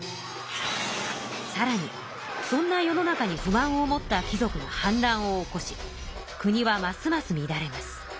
さらにそんな世の中に不満を持った貴族が反乱を起こし国はますますみだれます。